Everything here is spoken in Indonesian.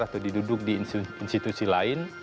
atau diduduk di institusi lain